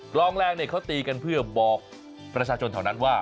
ลองแรงเขาตีกันเพื่อบอกประชาชนแถวนั้นว่า